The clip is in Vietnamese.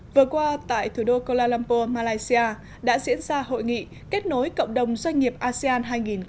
vừa qua tại thủ đô kuala lumpur malaysia đã diễn ra hội nghị kết nối cộng đồng doanh nghiệp asean hai nghìn một mươi bảy